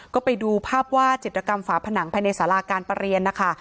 ก็ไปดูภาพวาดจิตรกรรมฝาผนังภายในสาราการประเรียนนะคะ